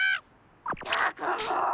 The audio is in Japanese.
ったくもう！